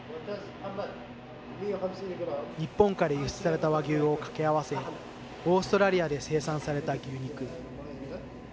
日本から輸出された和牛を掛け合わせオーストラリアで生産された牛肉。